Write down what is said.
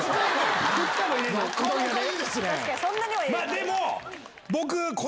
でも。